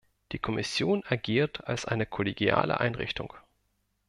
Die Kommission agiert als eine kollegiale Einrichtung.